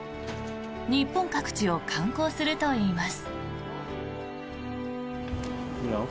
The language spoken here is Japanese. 日本各地を観光するといいます。